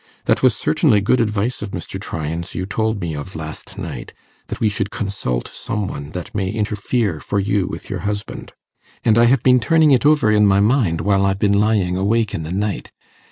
That was certainly good advice of Mr. Tryan's you told me of last night that we should consult some one that may interfere for you with your husband; and I have been turning it over in my mind while I've been lying awake in the night.